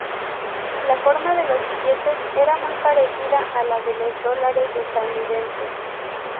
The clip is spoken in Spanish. La forma de los billetes era muy parecida a la de los dólares estadounidenses.